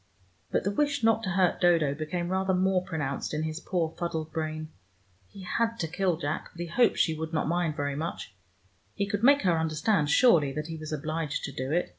But the wish not to hurt Dodo became rather more pronounced in his poor fuddled brain. He had to kill Jack, but he hoped she would not mind very much: he could make her understand surely that he was obliged to do it.